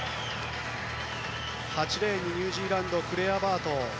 ８レーン、ニュージーランドクレアバート。